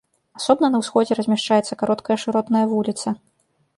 Асобна на ўсходзе размяшчаецца кароткая шыротная вуліца.